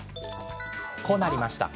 こうなりました。